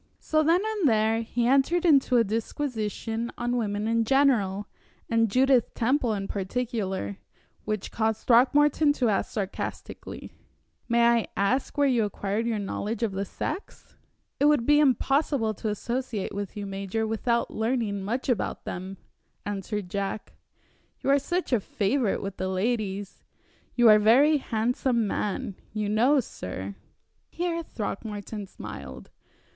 So then and there he entered into a disquisition on women in general and Judith Temple in particular, which caused Throckmorton to ask sarcastically: "May I ask where you acquired your knowledge of the sex?" "It would be impossible to associate with you, major, without learning much about them," answered Jack, "you are such a favorite with the ladies. You are a very handsome man, you know, sir " Here Throckmorton smiled.